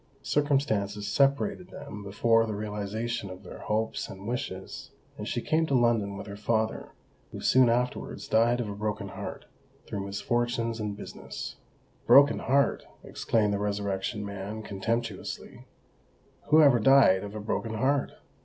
Circumstances separated them before the realisation of their hopes and wishes; and she came to London with her father, who soon afterwards died of a broken heart through misfortunes in business." "Broken heart!" exclaimed the Resurrection Man contemptuously: "who ever died of a broken heart?